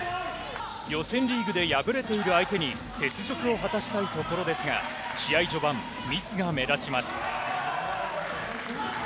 予選リーグで敗れている相手に雪辱を果たしたいところですが、試合序盤、ミスが目立ちます。